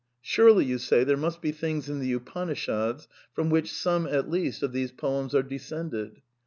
Surely, you say, there must be things in the TJpanishads from which some at least of these poems are descended